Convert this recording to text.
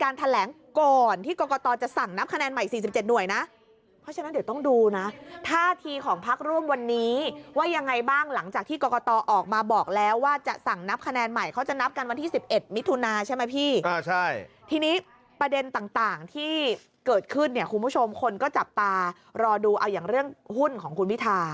เรายังมั่นใจว่าเราสามารถจัดตั้งรัฐบาลได้